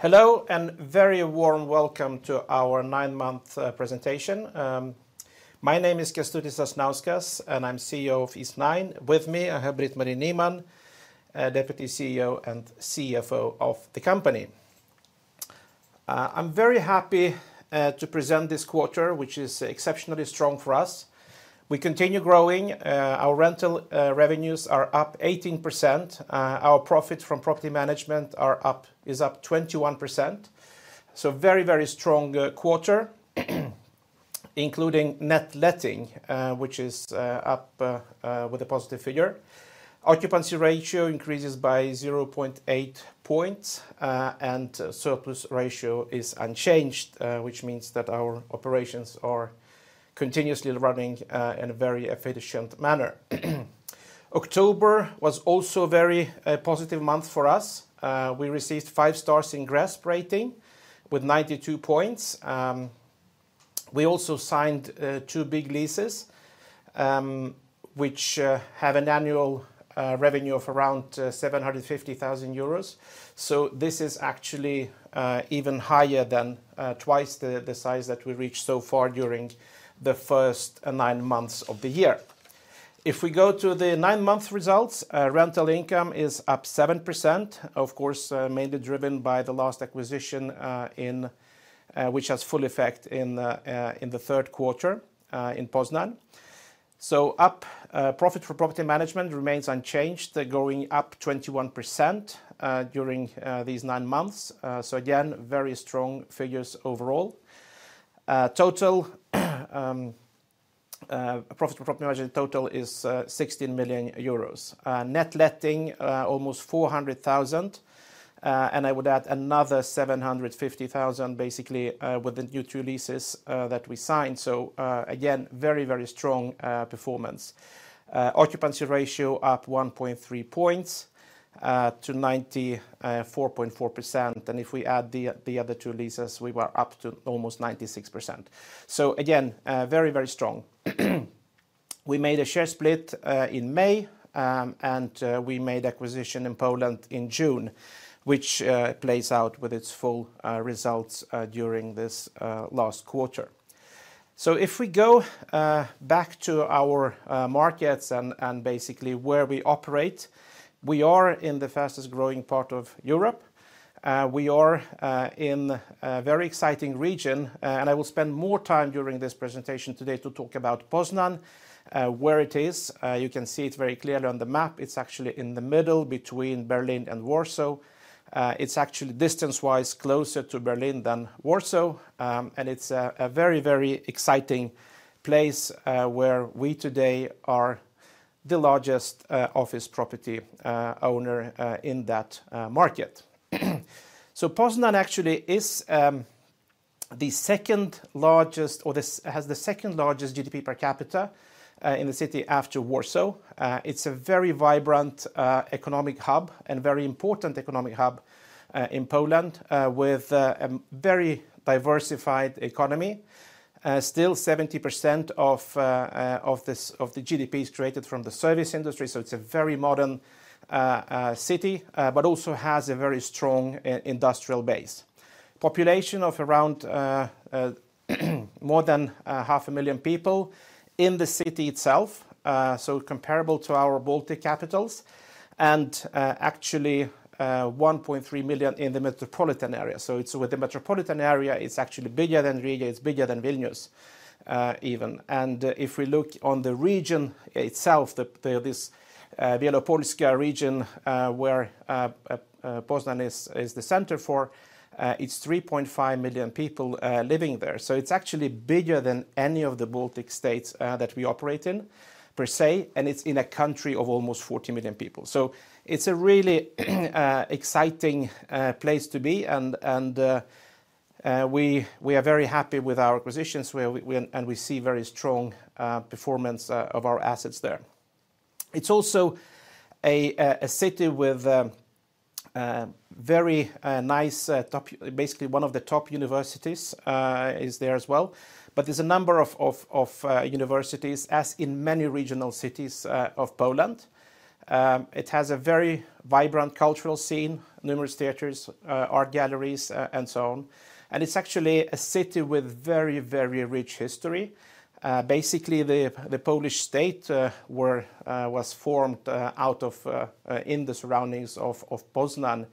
Hello, and very warm welcome to our nine-month presentation. My name is Kestutis Sasnauskas, and I'm CEO of Eastnine. With me, I have Britt-Marie Nyman, Deputy CEO and CFO of the company. I'm very happy to present this quarter, which is exceptionally strong for us. We continue growing. Our rental revenues are up 18%. Our profit from property management is up 21%. So very, very strong quarter, including net letting, which is up with a positive figure. Occupancy ratio increases by zero point eight points, and surplus ratio is unchanged, which means that our operations are continuously running in a very efficient manner. October was also a very positive month for us. We received five stars in GRESB rating with 92 points. We also signed two big leases, which have an annual revenue of around 750,000 euros. So this is actually even higher than twice the size that we reached so far during the first nine months of the year. If we go to the nine-month results, rental income is up 7%, of course, mainly driven by the last acquisition, which has full effect in the third quarter in Poznań. So up profit for property management remains unchanged. They're going up 21% during these nine months. So again, very strong figures overall. Total profit from property management total is 16 million euros. Net letting almost 400,000 and I would add another 750,000, basically, with the new two leases that we signed. So again, very, very strong performance. Occupancy ratio up 1.3 points to 94.4%, and if we add the other two leases, we were up to almost 96%. So again, very, very strong. We made a share split in May, and we made acquisition in Poland in June, which plays out with its full results during this last quarter. So if we go back to our markets and basically where we operate, we are in the fastest-growing part of Europe. We are in a very exciting region, and I will spend more time during this presentation today to talk about Poznań, where it is. You can see it very clearly on the map. It's actually in the middle between Berlin and Warsaw. It's actually distance-wise closer to Berlin than Warsaw. And it's a very, very exciting place, where we today are the largest office property owner in that market. So Poznań actually is the second largest, or the... has the second-largest GDP per capita in the city after Warsaw. It's a very vibrant economic hub and a very important economic hub in Poland with a very diversified economy. Still 70% of the GDP is created from the service industry, so it's a very modern city, but also has a very strong industrial base. Population of around more than 500,000 people in the city itself, so comparable to our Baltic capitals, and actually 1.3 million in the metropolitan area, so it's with the metropolitan area, it's actually bigger than Riga, it's bigger than Vilnius, even, and if we look on the region itself, this Wielkopolska region, where Poznań is the center, it's 3.5 million people living there, so it's actually bigger than any of the Baltic states that we operate in, per se, and it's in a country of almost 40 million people. So it's a really exciting place to be, and we are very happy with our acquisitions and we see very strong performance of our assets there. It's also a city with very nice top. Basically, one of the top universities is there as well. But there's a number of universities, as in many regional cities of Poland. It has a very vibrant cultural scene, numerous theaters, art galleries, and so on. And it's actually a city with very rich history. Basically, the Polish state was formed in the surroundings of Poznań.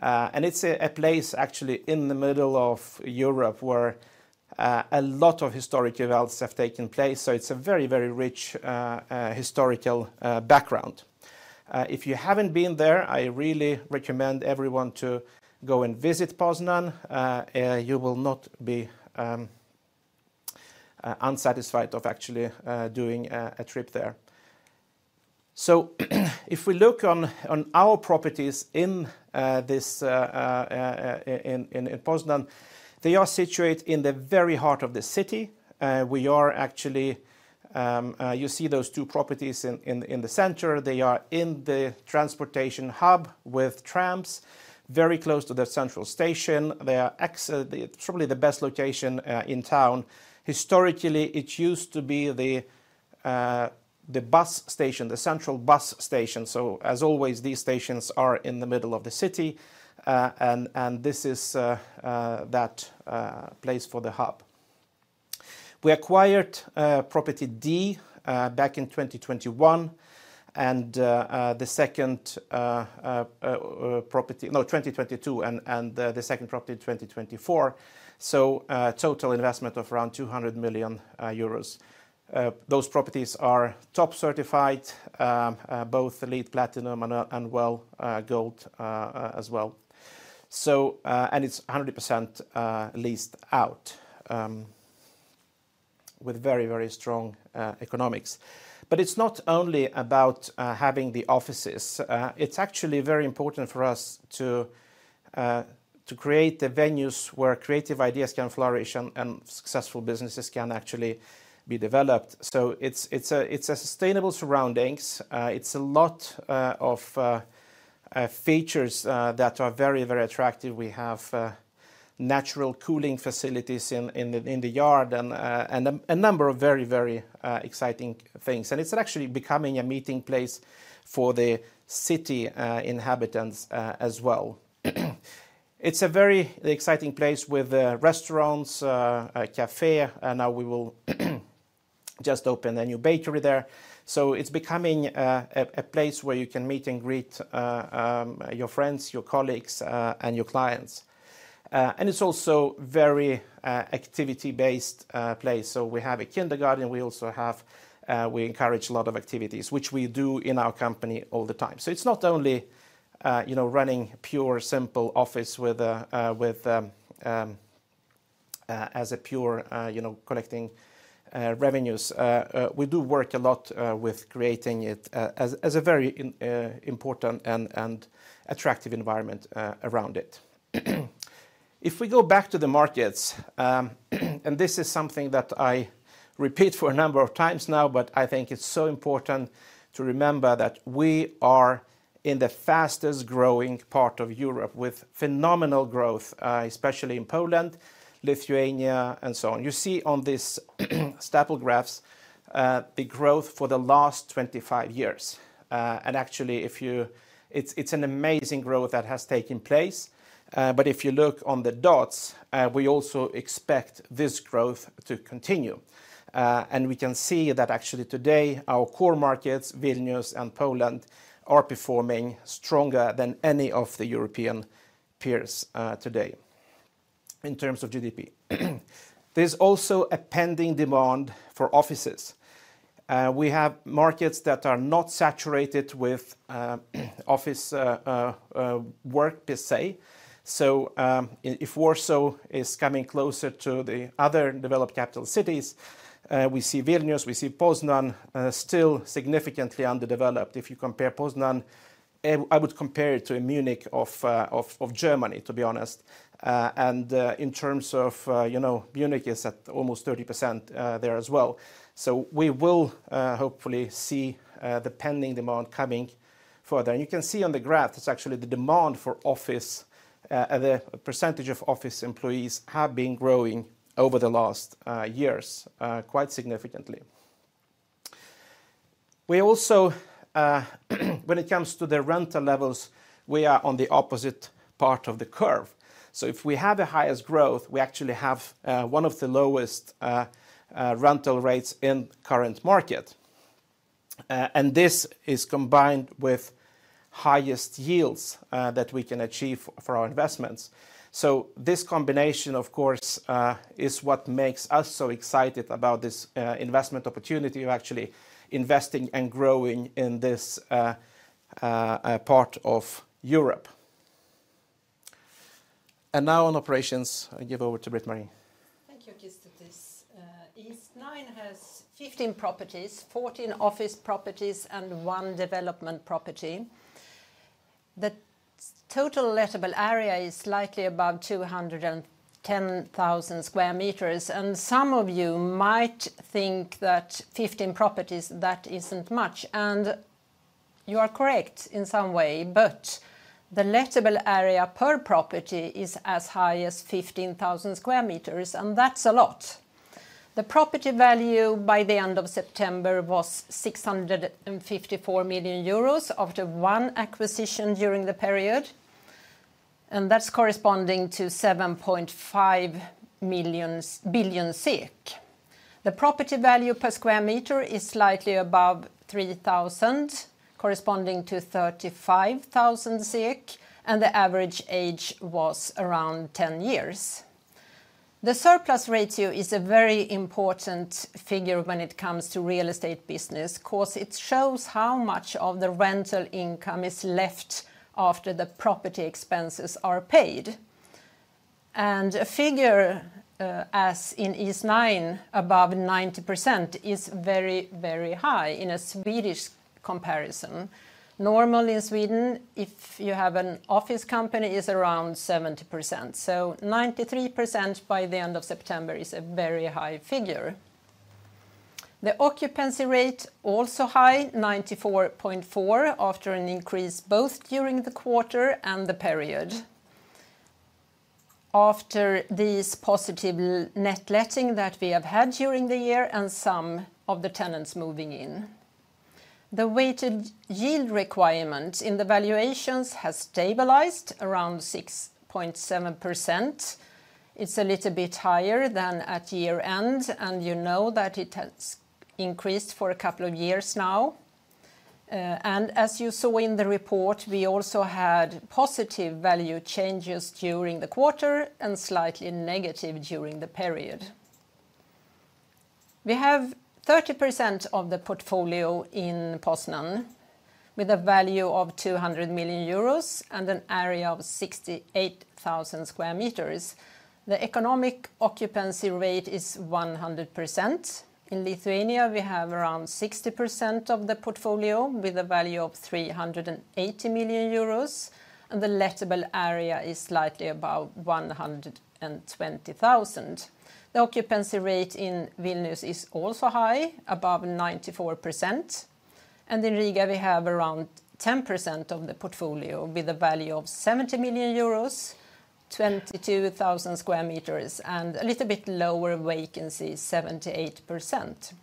And it's a place actually in the middle of Europe, where a lot of historic events have taken place, so it's a very rich historical background. If you haven't been there, I really recommend everyone to go and visit Poznań. You will not be unsatisfied of actually doing a trip there. So if we look on our properties in Poznań, they are situated in the very heart of the city. We are actually. You see those two properties in the center. They are in the transportation hub with trams, very close to the Central Station. They are surely the best location in town. Historically, it used to be the bus station, the Central Bus Station. So as always, these stations are in the middle of the city, and this is that place for the hub. We acquired property D back in 2021, and the second property. No, 2022, and the second property in 2024. So total investment of around 200 million euros. Those properties are top certified both the LEED Platinum and WELL Gold as well. So and it's 100% leased out with very, very strong economics. But it's not only about having the offices. It's actually very important for us to create the venues where creative ideas can flourish and successful businesses can actually be developed. So it's a sustainable surroundings. It's a lot of features that are very, very attractive. We have natural cooling facilities in the yard, and a number of very, very exciting things. It's actually becoming a meeting place for the city inhabitants as well. It's a very exciting place with restaurants, a café, and now we will just open a new bakery there. So it's becoming a place where you can meet and greet your friends, your colleagues, and your clients. And it's also very activity-based place. So we have a kindergarten. We also have... We encourage a lot of activities, which we do in our company all the time. So it's not only, you know, running a pure simple office as a pure, you know, collecting revenues. We do work a lot with creating it as a very important and attractive environment around it. If we go back to the markets, and this is something that I repeat for a number of times now, but I think it's so important to remember that we are in the fastest growing part of Europe, with phenomenal growth, especially in Poland, Lithuania, and so on. You see on these staple graphs the growth for the last 25 years, and actually, if you... It's an amazing growth that has taken place, but if you look on the dots, we also expect this growth to continue. And we can see that actually today, our core markets, Vilnius and Poland, are performing stronger than any of the European peers, today in terms of GDP. There's also a pending demand for offices. We have markets that are not saturated with office work per se. So, if Warsaw is coming closer to the other developed capital cities, we see Vilnius, we see Poznań, still significantly underdeveloped. If you compare Poznań, I would compare it to a Munich of Germany, to be honest. And, in terms of, you know, Munich is at almost 30%, there as well. So we will hopefully see the pending demand coming further. And you can see on the graph, it's actually the demand for office, the percentage of office employees have been growing over the last years, quite significantly. We also, when it comes to the rental levels, we are on the opposite part of the curve. So if we have the highest growth, we actually have one of the lowest rental rates in current market. And this is combined with highest yields that we can achieve for our investments. So this combination, of course, is what makes us so excited about this investment opportunity of actually investing and growing in this part of Europe. And now on operations, I give over to Britt-Marie. Thank you, Kestutis. Eastnine has 15 properties, 14 office properties, and one development property. The total lettable area is slightly above 210,000 square meters, and some of you might think that 15 properties, that isn't much, and you are correct in some way. But the lettable area per property is as high as 15,000 square meters, and that's a lot. The property value by the end of September was 654 million euros, after one acquisition during the period, and that's corresponding to 7.5 billion SEK. The property value per square meter is slightly above 3,000, corresponding to 35,000 SEK, and the average age was around 10 years. The surplus ratio is a very important figure when it comes to real estate business 'cause it shows how much of the rental income is left after the property expenses are paid. A figure, as in Eastnine, above 90%, is very, very high in a Swedish comparison. Normally in Sweden, if you have an office company, is around 70%. So 93% by the end of September is a very high figure. The occupancy rate, also high, 94.4%, after an increase both during the quarter and the period, after these positive net letting that we have had during the year and some of the tenants moving in. The weighted yield requirement in the valuations has stabilized around 6.7%. It's a little bit higher than at year end, and you know that it has increased for a couple of years now. And as you saw in the report, we also had positive value changes during the quarter and slightly negative during the period. We have 30% of the portfolio in Poznań, with a value of 200 million euros and an area of 68,000 square meters. The economic occupancy rate is 100%. In Lithuania, we have around 60% of the portfolio, with a value of 380 million euros, and the lettable area is slightly about 120,000. The occupancy rate in Vilnius is also high, above 94%, and in Riga, we have around 10% of the portfolio, with a value of 70 million euros, 22,000 square meters, and a little bit lower vacancy, 78%.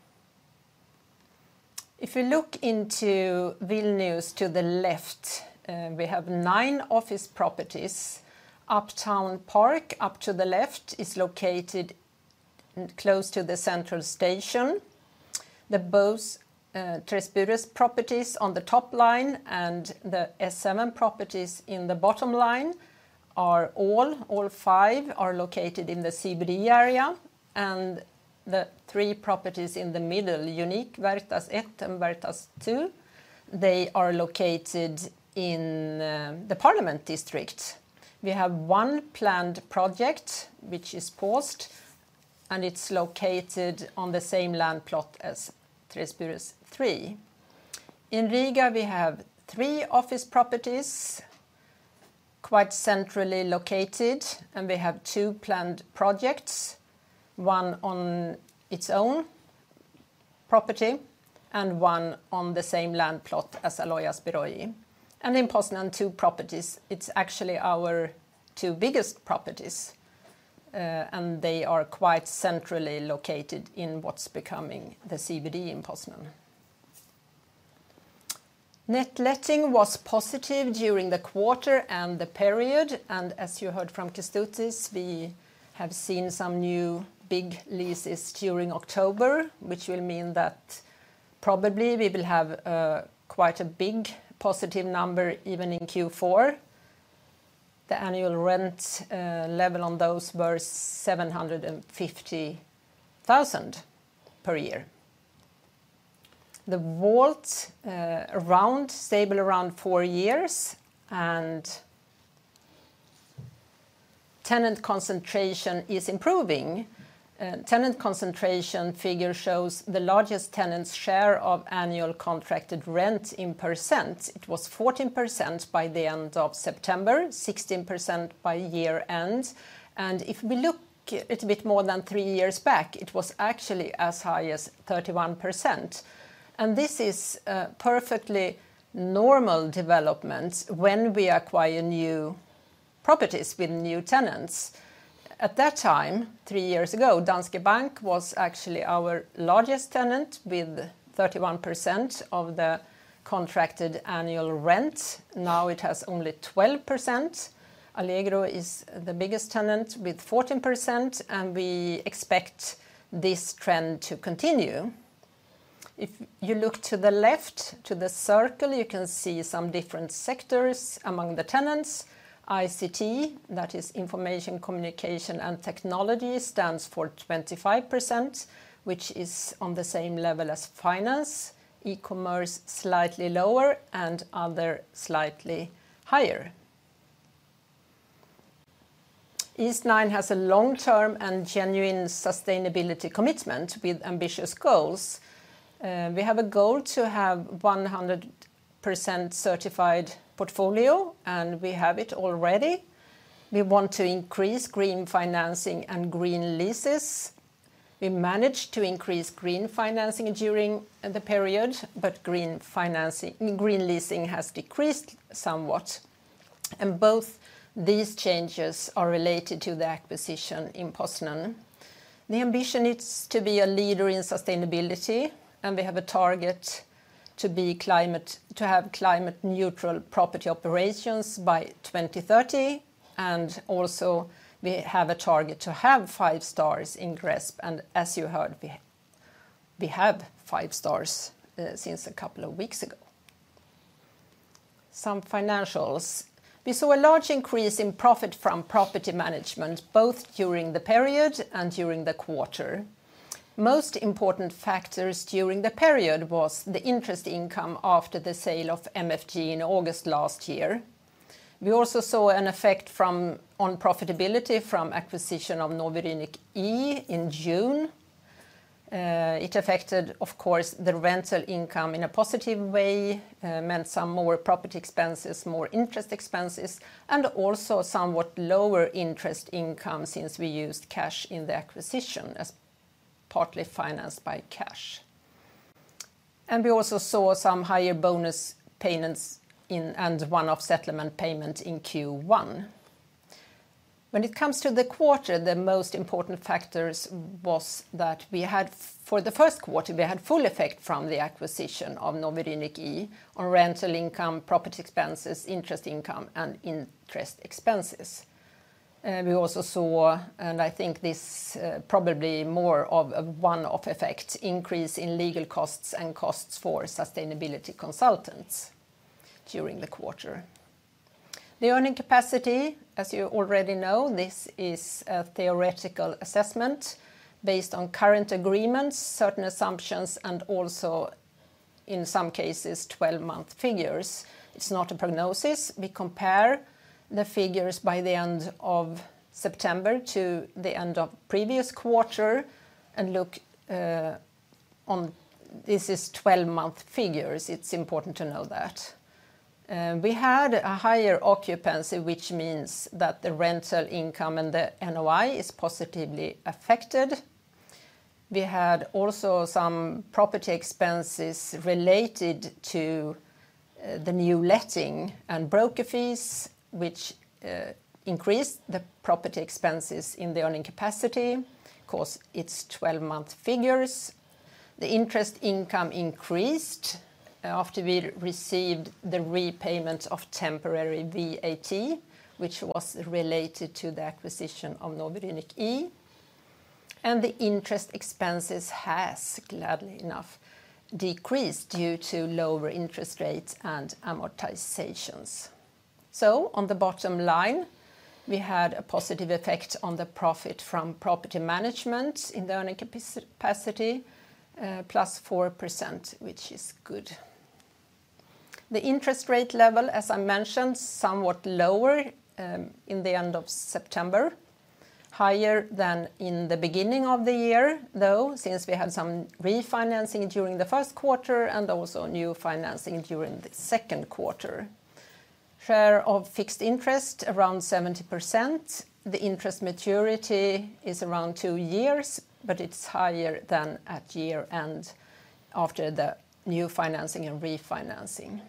If you look into Vilnius to the left, we have nine office properties. Uptown Park, up to the left, is located close to the Central Station. Both the 3 Burės properties on the top line and the S7 properties in the bottom line are all five are located in the CBD area, and the three properties in the middle, Uniq, Vertas I, and Vertas II, they are located in the Parliament District. We have one planned project, which is paused, and it's located on the same land plot as 3 Burės three. In Riga, we have three office properties, quite centrally located, and we have two planned projects, one on its own property, and one on the same land plot as Alojas Biroji. And in Poznań, two properties. It's actually our two biggest properties, and they are quite centrally located in what's becoming the CBD in Poznań. Net letting was positive during the quarter and the period, and as you heard from Kęstutis, we have seen some new big leases during October, which will mean that probably we will have quite a big positive number even in Q4. The annual rent level on those were 750,000 per year. The WAULT around stable around four years, and tenant concentration is improving. Tenant concentration figure shows the largest tenant's share of annual contracted rent in %. It was 14% by the end of September, 16% by year end, and if we look a little bit more than three years back, it was actually as high as 31%, and this is perfectly normal development when we acquire new properties with new tenants. At that time, three years ago, Danske Bank was actually our largest tenant, with 31% of the contracted annual rent. Now, it has only 12%. Allegro is the biggest tenant with 14%, and we expect this trend to continue. If you look to the left, to the circle, you can see some different sectors among the tenants. ICT, that is information, communication, and technology, stands for 25%, which is on the same level as finance. E-commerce, slightly lower, and other, slightly higher. Eastnine has a long-term and genuine sustainability commitment with ambitious goals. We have a goal to have 100% certified portfolio, and we have it already. We want to increase green financing and green leases. We managed to increase green financing during the period, but green financing... Green leasing has decreased somewhat, and both these changes are related to the acquisition in Poznań. The ambition is to be a leader in sustainability, and we have a target to be climate-neutral property operations by twenty thirty, and also we have a target to have five stars in GRESB, and as you heard, we, we have five stars since a couple of weeks ago. Some financials. We saw a large increase in profit from property management, both during the period and during the quarter. Most important factors during the period was the interest income after the sale of MFG in August last year. We also saw an effect from on profitability from acquisition of Nowy Rynek E in June. It affected, of course, the rental income in a positive way, meant some more property expenses, more interest expenses, and also somewhat lower interest income since we used cash in the acquisition as partly financed by cash, and we also saw some higher bonus payments in, and one-off settlement payment in Q1. When it comes to the quarter, the most important factors was that we had, for the first quarter, we had full effect from the acquisition of Nowy Rynek E on rental income, property expenses, interest income, and interest expenses. We also saw, and I think this, probably more of a one-off effect, increase in legal costs and costs for sustainability consultants during the quarter. The earning capacity, as you already know, this is a theoretical assessment based on current agreements, certain assumptions, and also in some cases, 12-month figures. It's not a prognosis. We compare the figures by the end of September to the end of the previous quarter, and look, this is 12-month figures. It's important to know that. We had a higher occupancy, which means that the rental income and the NOI is positively affected. We had also some property expenses related to the new letting and broker fees, which increased the property expenses in the earning capacity. Of course, it's 12-month figures. The interest income increased after we received the repayment of temporary VAT, which was related to the acquisition of Nowy Rynek E. And the interest expenses has, gladly enough, decreased due to lower interest rates and amortizations. So on the bottom line, we had a positive effect on the profit from property management in the earning capacity, plus 4%, which is good. The interest rate level, as I mentioned, somewhat lower in the end of September. Higher than in the beginning of the year, though, since we had some refinancing during the first quarter, and also new financing during the second quarter. Share of fixed interest, around 70%. The interest maturity is around two years, but it's higher than at year-end, after the new financing and refinancing.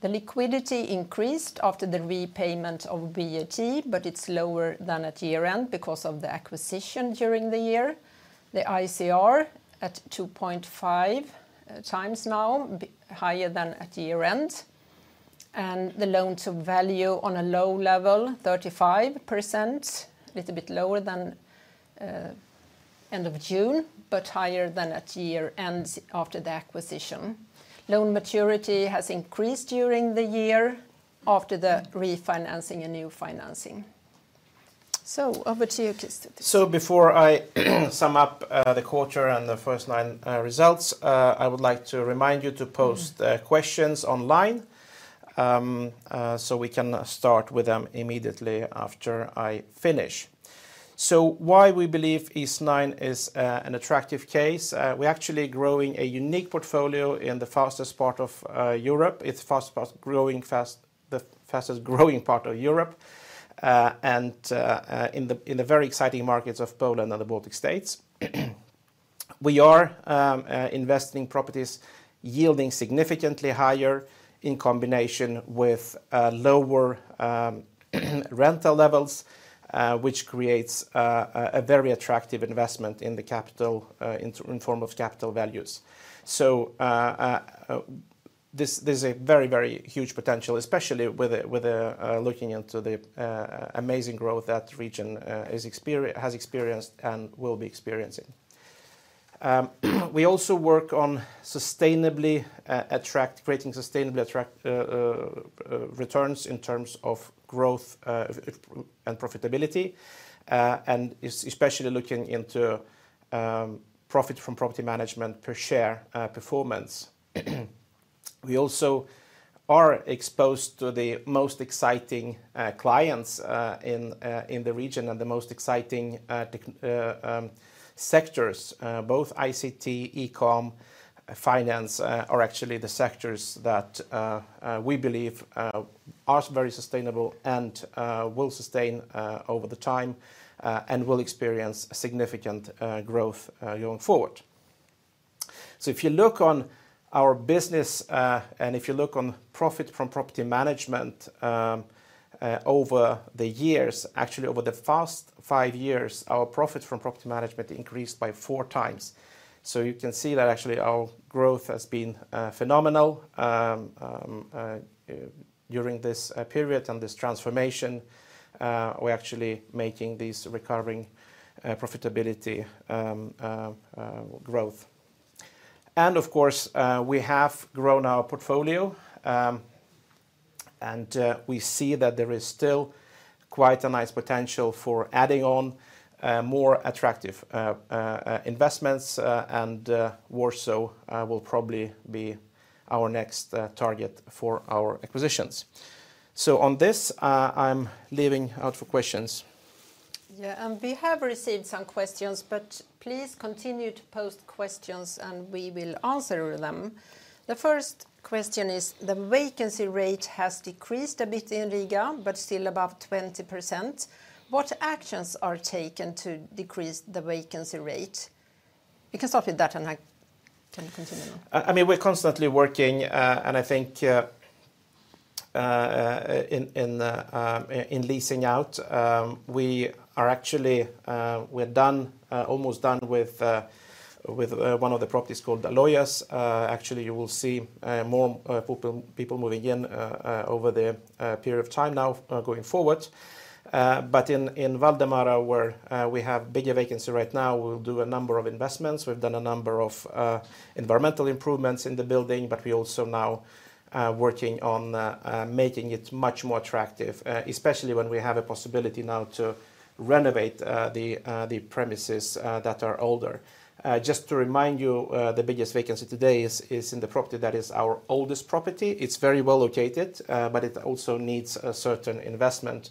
The liquidity increased after the repayment of VAT, but it's lower than at year-end because of the acquisition during the year. The ICR at 2.5x now, higher than at year-end, and the loan-to-value on a low level, 35%. A little bit lower than end of June, but higher than at year-end after the acquisition. Loan maturity has increased during the year after the refinancing and new financing. So over to you, Kestutis. So before I sum up the quarter and the first nine results, I would like to remind you to post questions online so we can start with them immediately after I finish. So why we believe Eastnine is an attractive case? We're actually growing a unique portfolio in the fastest part of Europe. It's the fastest growing part of Europe and in the very exciting markets of Poland and the Baltic States. We are investing in properties yielding significantly higher in combination with lower rental levels, which creates a very attractive investment in the capital in form of capital values. There's a very, very huge potential, especially with looking into the amazing growth that region has experienced and will be experiencing. We also work on creating sustainable attractive returns in terms of growth and profitability, and especially looking into profit from property management per share performance. We also are exposed to the most exciting clients in the region, and the most exciting sectors, both ICT, e-com, finance, are actually the sectors that we believe are very sustainable and will sustain over the time and will experience significant growth going forward. So if you look on our business, and if you look on profit from property management, over the years, actually over the first five years, our profit from property management increased by four times. So you can see that actually our growth has been phenomenal during this period and this transformation, we're actually making this recovering profitability growth. And of course, we have grown our portfolio, and we see that there is still quite a nice potential for adding on more attractive investments, and Warsaw will probably be our next target for our acquisitions. So on this, I'm leaving out for questions. Yeah, and we have received some questions, but please continue to post questions, and we will answer them. The first question is: "The vacancy rate has decreased a bit in Riga, but still above 20%. What actions are taken to decrease the vacancy rate?" You can start with that, and I can continue on. I mean, we're constantly working, and I think in leasing out. We are actually. We're almost done with one of the properties called Alojas. Actually, you will see more people moving in over the period of time now going forward. But in Valdemara, where we have bigger vacancy right now, we'll do a number of investments. We've done a number of environmental improvements in the building, but we also now are working on making it much more attractive, especially when we have a possibility now to renovate the premises that are older. Just to remind you, the biggest vacancy today is in the property that is our oldest property. It's very well-located, but it also needs a certain investment,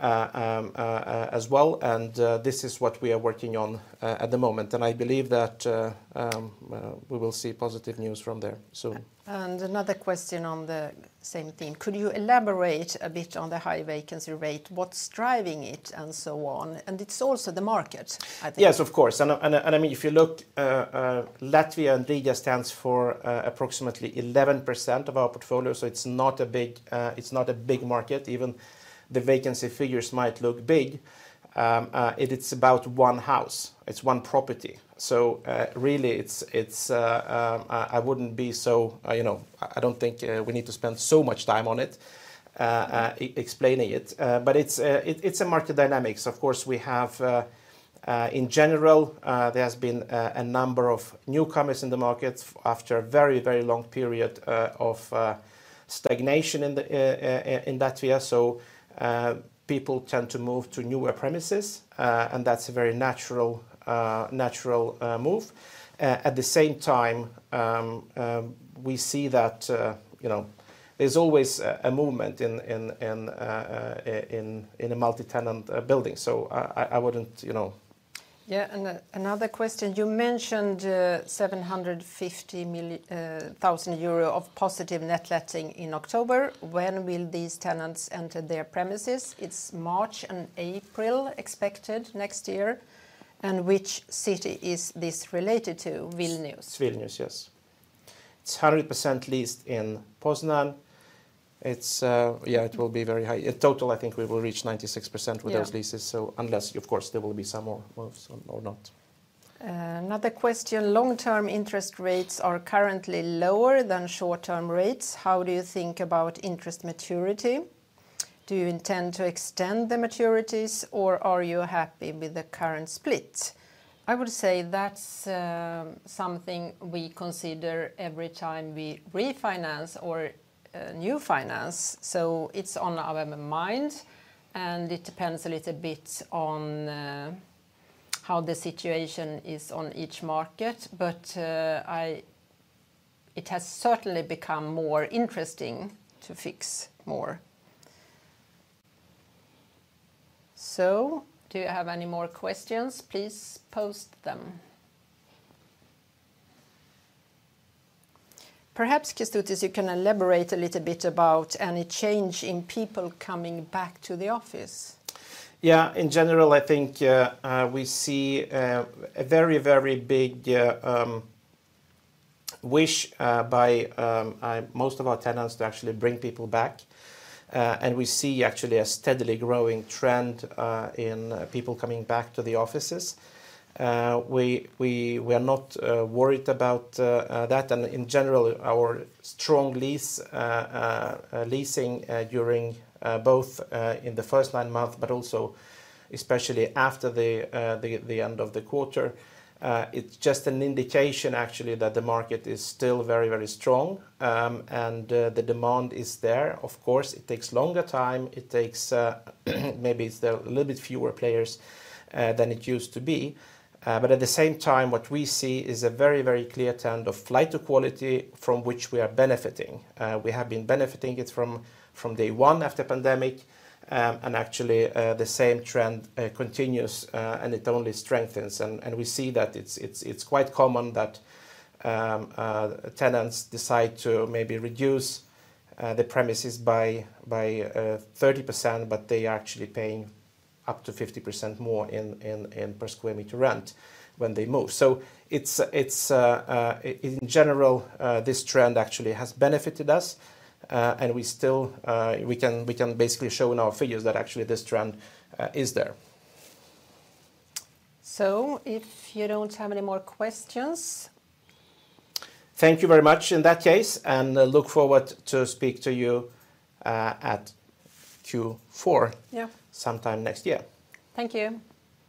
as well, and this is what we are working on at the moment, and I believe that we will see positive news from there soon. Another question on the same theme: "Could you elaborate a bit on the high vacancy rate? What's driving it, and so on?" It's also the market, I think. Yes, of course, and, and, I mean, if you look, Latvia and Riga stands for approximately 11% of our portfolio, so it's not a big, it's not a big market. Even the vacancy figures might look big, it's about one house. It's one property, so really, it's, I wouldn't be so. You know, I don't think we need to spend so much time on it, explaining it. But it's it's a market dynamics. Of course, we have. In general, there has been a number of newcomers in the market after a very, very long period of stagnation in Latvia. So, people tend to move to newer premises, and that's a very natural move. At the same time, we see that, you know, there's always a movement in a multi-tenant building, so I wouldn't, you know... Yeah, and another question: "You mentioned 750 thousand euro of positive net letting in October. When will these tenants enter their premises?" It's March and April expected next year. "And which city is this related to?" Vilnius. It's Vilnius, yes. It's 100% leased in Poznań. It's... Yeah, it will be very high. In total, I think we will reach 96% with- Yeah... those leases, so unless, of course, there will be some more moves or not. Another question: "Long-term interest rates are currently lower than short-term rates. How do you think about interest maturity? Do you intend to extend the maturities, or are you happy with the current split?" I would say that's something we consider every time we refinance or new finance, so it's on our mind, and it depends a little bit on how the situation is on each market. But it has certainly become more interesting to fix more. So do you have any more questions? Please post them. Perhaps, Kestutis, you can elaborate a little bit about any change in people coming back to the office. Yeah, in general, I think, we see a very, very big wish by most of our tenants to actually bring people back, and we see actually a steadily growing trend in people coming back to the offices. We are not worried about that and in general, our strong leasing during both in the first nine months, but also especially after the end of the quarter. It's just an indication actually that the market is still very, very strong, and the demand is there. Of course, it takes longer time. It takes maybe there are a little bit fewer players than it used to be, but at the same time, what we see is a very, very clear trend of flight to quality, from which we are benefiting. We have been benefiting it from day one after pandemic, and actually, the same trend continues, and it only strengthens. We see that it's quite common that tenants decide to maybe reduce the premises by 30%, but they are actually paying up to 50% more in per square meter rent when they move. So, in general, this trend actually has benefited us, and we still can basically show in our figures that actually this trend is there. If you don't have any more questions... Thank you very much, in that case, and I look forward to speak to you at Q4- Yeah ... sometime next year. Thank you.